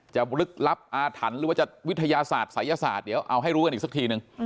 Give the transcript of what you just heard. ลึกลับอาถรรพ์หรือว่าจะวิทยาศาสตร์ศัยศาสตร์เดี๋ยวเอาให้รู้กันอีกสักทีนึง